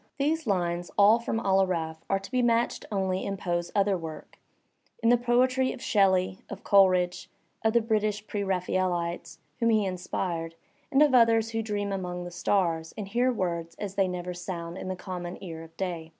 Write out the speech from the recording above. These lines, all from "Al Aaraaf," are to be matched only in Ppe's other work, in the poetry of Shelley, of Coleridge, of the British pre RaphaeUtes whom he inspired, and of others who dream among the stars and hear words as they never sound in the common ear of day.